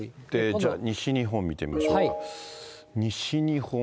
じゃあ、西日本見てみましょうか。